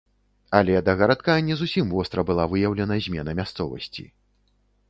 Але да гарадка не зусім востра была выяўлена змена мясцовасці.